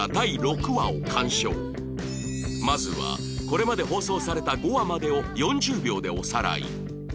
まずはこれまで放送された５話までを４０秒でおさらい